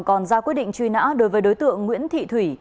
còn ra quyết định truy nã đối với đối tượng nguyễn thị thủy